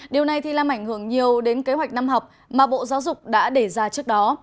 điều này thì làm ảnh hưởng nhiều đến kế hoạch năm học mà bộ giáo dục đã để ra trước đó